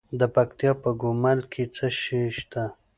د پکتیکا په ګومل کې څه شی شته؟